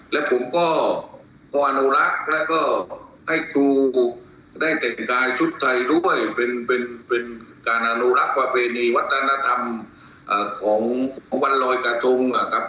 และผมก็อนุรักษ์แล้วก็ให้ครูได้แต่งกายชุดไทยด้วยเป็นการอนุรักษ์ประเพณีวัฒนธรรมของวันลอยกระทงนะครับ